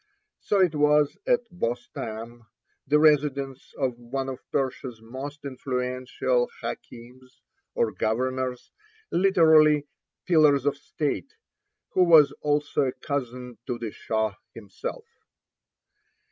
So it was at Bostam, the residence of in 93 one of Persia's most influential hakims, or governors, literally, "pillars of state," who was also a cousin to the Shah himself.